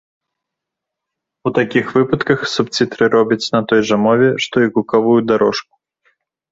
У такіх выпадках субцітры робяць на той жа мове, што і гукавую дарожку.